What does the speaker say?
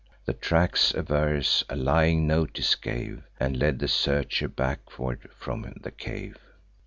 The tracks averse a lying notice gave, And led the searcher backward from the cave.